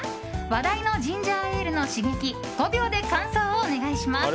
話題のジンジャーエールの刺激５秒で感想をお願いします。